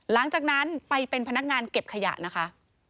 หลังจากนั้นไปเป็นพนักงานเก็บขยะนะคะ